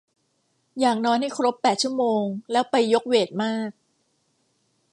อยากนอนให้ครบแปดชั่วโมงแล้วไปยกเวทมาก